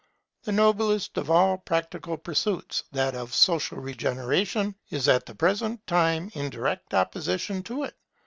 The noblest of all practical pursuits, that of social regeneration, is at the present time in direct opposition to it.